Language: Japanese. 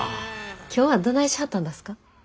今日はどないしはったんだすか？